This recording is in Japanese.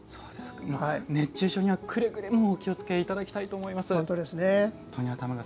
熱中症にはくれぐれもお気をつけいただきたいと思います。